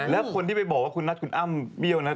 แล้วคนที่ไปบอกว่าคุณนัทคุณอ้ำเบี้ยวนั้น